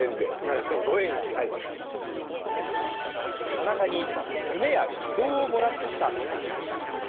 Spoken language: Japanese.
田中に夢や希望をもらってきた佐々木。